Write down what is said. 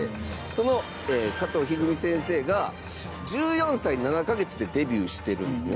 その加藤一二三先生が１４歳７カ月でデビューしてるんですね。